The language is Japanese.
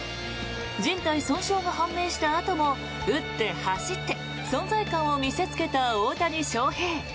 じん帯損傷が判明したあとも打って走って存在感を見せつけた大谷翔平。